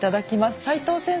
斎藤先生